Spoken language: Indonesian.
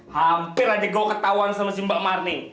hampir aja gue ketahuan sama si mbak marni